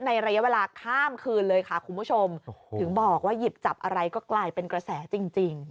ระยะเวลาข้ามคืนเลยค่ะคุณผู้ชมถึงบอกว่าหยิบจับอะไรก็กลายเป็นกระแสจริง